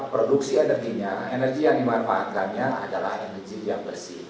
produksi energinya energi yang dimanfaatkannya adalah energi yang bersih